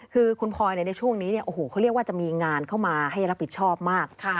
คือคุณพลอยในช่วงนี้เขาเรียกว่าจะมีงานเข้ามาให้รับผิดชอบมาก